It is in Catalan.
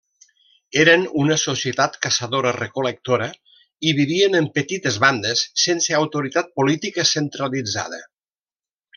Eren una societat caçadora-recol·lectora i vivien en petites bandes sense autoritat política centralitzada.